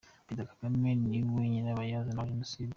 -Perezida Kagame niwe nyirabayazana wa jenoside